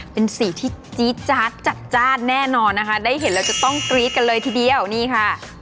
เป็นสีที่จี๊ดจาดจัดจ้านแน่นอนนะคะได้เห็นแล้วจะต้องกรี๊ดกันเลยทีเดียวนี่ค่ะ